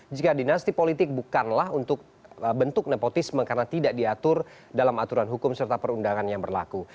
jika dinasti politik bukanlah untuk bentuk nepotisme karena tidak diatur dalam aturan hukum serta perundangan yang berlaku